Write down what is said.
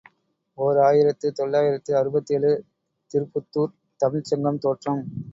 ஓர் ஆயிரத்து தொள்ளாயிரத்து அறுபத்தேழு ● திருப்புத்துர்த் தமிழ்ச் சங்கம் தோற்றம்.